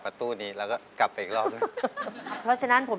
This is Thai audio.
มันเกี่ยวว่าจะต้องเอามาเล่นยังไหมครับ